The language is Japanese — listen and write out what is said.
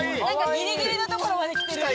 ギリギリの所まで来てる。